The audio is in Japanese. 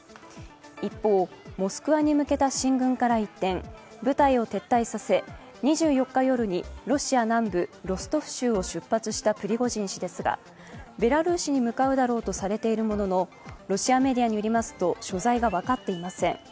一方、モスクワに向けた進軍から一転、部隊を撤退させ２４日夜にロシア南部ロストフ州を出発したプリゴジン氏ですがベラルーシに向かうだろうとされているもののロシアメディアによりますと所在が分かっていません。